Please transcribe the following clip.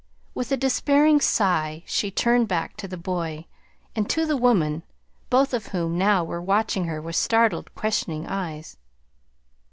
With a despairing sigh she turned back to the boy and to the woman, both of whom now were watching her with startled, questioning eyes.